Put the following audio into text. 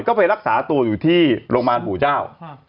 ก็ไปรักษาตัวอยู่ที่โรงพยาบาลปู่เจ้า